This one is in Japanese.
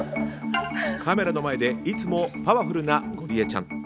カメラの前でいつもパワフルなゴリエちゃん。